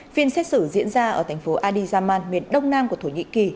phiên xét xử diễn ra ở thành phố adizaman miền đông nam của thổ nhĩ kỳ